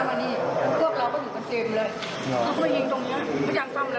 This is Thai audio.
เขาก็พาทีหัวลงไปละ